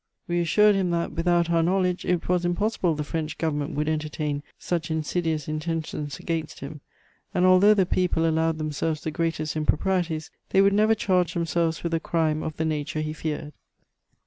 We assured him that, without our knowledge, it was impossible the French Government would entertain such insidious intentions against him, and although the people allowed themselves the greatest improprieties, they would never charge themselves with a crime of the nature he feared.